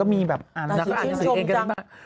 ก็มีแบบอ่านแต่คือชื่อชมจัง